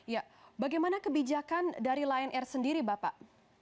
ya bagaimana kebijakan dari lion air sendiri bapak